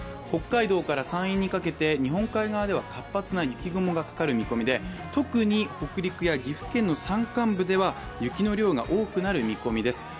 北海道から山陰にかけて日本海側は活発な雪雲がかかる予想で特に北陸や岐阜県の山間部では雪の量が多くなる見込みです。